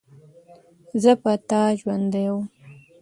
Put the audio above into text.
زه په تا ژوندۍ وم.